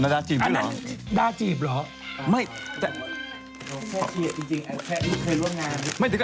เรียกว่าเธอนาน่าดา่าจีบ